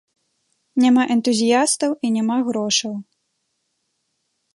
Няма энтузіястаў, і няма грошаў.